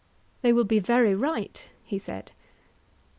They will be very right, he said.